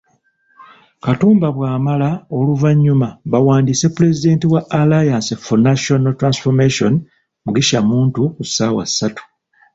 Katumba bw'amala oluvannyuma bawandiise Pulezidenti wa Alliance for National Transformation, Mugisha Muntu ku ssaawa ssatu.